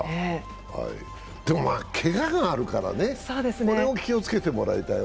でもけががあるからね、これを気をつけてもらいたい。